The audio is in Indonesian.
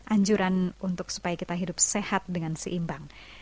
anjuran untuk supaya kita hidup sehat dengan seimbang